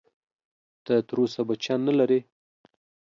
ته تر اوسه بچیان نه لرې؟